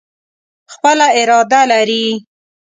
خپله اراده لري.